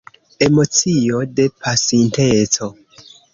Emocio de pasinteco.